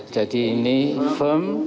jadi ini firm